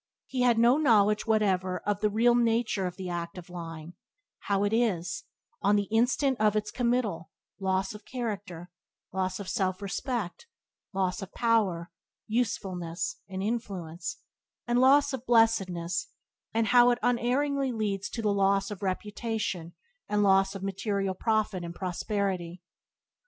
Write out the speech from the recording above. He had no knowledge whatever of the real nature of the act of lying: how it is, on the instant of its committal, loss of character, loss of self respect, loss of power, usefulness, and influence, and loss of blessedness; and how it unerringly leads to loss of reputation and loss of material profit and prosperity.